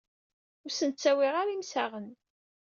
Ur sen-d-ttawiɣ ara imsaɣen.